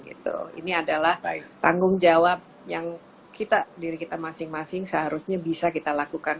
ini adalah tanggung jawab yang kita diri kita masing masing seharusnya bisa kita lakukan